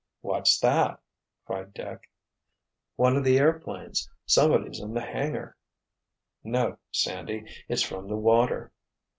"What's that?" cried Dick. "One of the airplanes—somebody's in the hangar——" "No, Sandy, it's from the water."